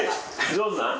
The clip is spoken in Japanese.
上手なん？